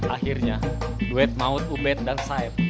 akhirnya duet maut ubed dan saif